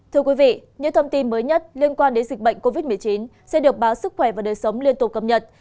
thưa quý vị những thông tin mới nhất liên quan đến dịch bệnh covid một mươi chín sẽ được báo sức khỏe và đời sống liên tục cập nhật